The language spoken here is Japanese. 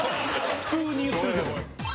普通に言ってるけど。